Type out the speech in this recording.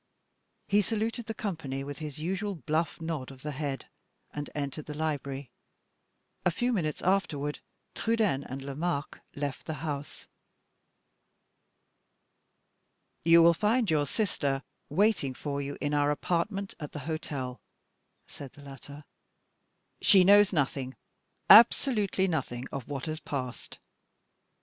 He saluted the company, with his usual bluff nod of the head, and entered the library. A few minutes afterward, Trudaine and Lomaque left the house. "You will find your sister waiting for you in our apartment at the hotel," said the latter. "She knows nothing, absolutely nothing, of what has passed."